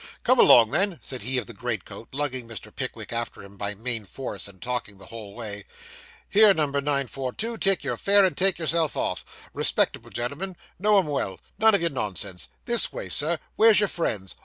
'Come along, then,' said he of the green coat, lugging Mr. Pickwick after him by main force, and talking the whole way. Here, No. 924, take your fare, and take yourself off respectable gentleman know him well none of your nonsense this way, sir where's your friends?